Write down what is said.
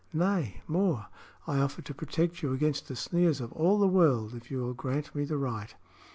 Nay, more; I offer to protect you against the sneers of all the world, if you will grant me the right."